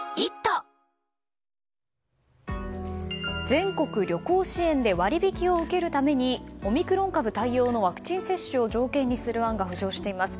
全国旅行支援で割り引きを受けるためにオミクロン対応のワクチン接種を条件とする案が浮上しています。